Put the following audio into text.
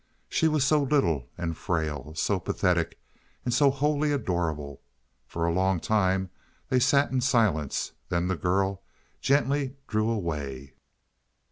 She was so little and frail so pathetic and so wholly adorable. For a long time they sat in silence; then the girl gently drew away.